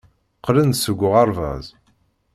Qqlen-d seg uɣerbaz.